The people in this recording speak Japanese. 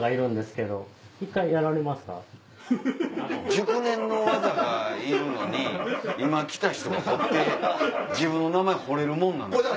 熟練の技がいるのに今来た人が彫って自分の名前彫れるもんですか？